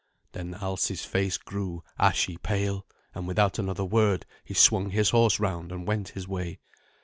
Then Alsi's face grew ashy pale, and without another word he swung his horse round and went his way.